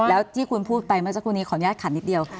แล้วที่คุณพูดไปเมื่อสักครู่นี้ขออนุญาตขันนิดเดียว